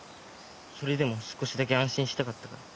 それでも少しだけ安心したかったから。